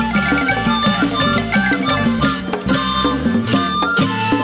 กลับมาที่สุดท้าย